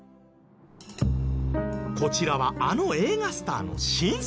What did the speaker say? こちらはあの映画スターの新作。